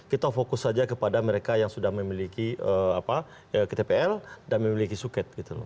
kita fokus saja kepada mereka yang sudah memiliki ktpl dan memiliki suket